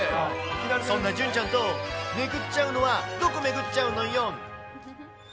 そんなジュンちゃんと巡っちゃうのは、どこ巡っちゃうのよ。